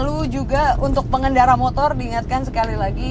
untuk pengendara motor diingatkan sekali lagi